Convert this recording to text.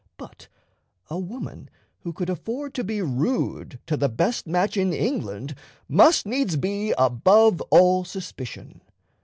But a woman who could afford to be rude to the best match in England must needs be above all suspicion.